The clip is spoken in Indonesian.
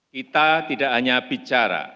kita tidak hanya bicara